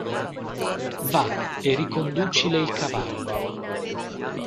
Va e riconducile il cavallo.